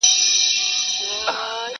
بیا به راسي په سېلونو بلبلکي!!